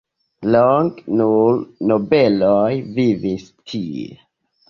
Longe nur nobeloj vivis tie.